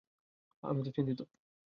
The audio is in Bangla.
আমিও তো চিন্তিত।